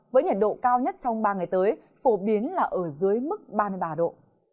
với nhiệt độ cao nhất trong ba ngày tới phổ biến là ở dưới mức ba mươi ba độ